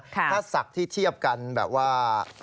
ถ้าศักดิ์ที่เทียบกันแบบว่า